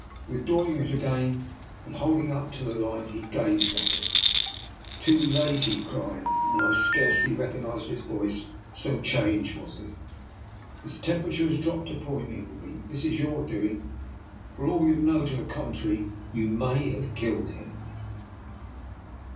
Withdrawing it again and holding it up to the light, he gazed at it. " Too late! *' he cried, and I scarcely rec ognised his voice, so changed was it. " His temperature has dropped a point! Ingleby, this is your doing, For all you know to the contrary, you may have killed him."